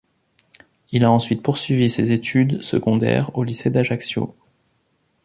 Il a ensuite poursuivi ses études secondaires au lycée d’Ajaccio.